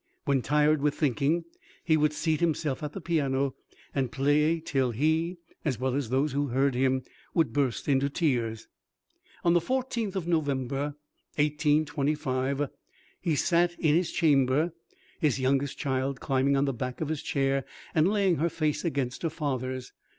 When tired with thinking, he would seat himself at the piano, and play till he, as well as those who heard him, would burst into tears. On the 14th of November, 1825, he sat in his chamber, his youngest child climbing on the back of his chair, and laying her face against her father's.